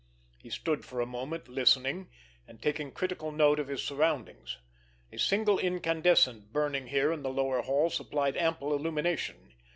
He stood for a moment listening, and taking critical note of his surroundings. A single incandescent burning here in the lower hall supplied ample illumination.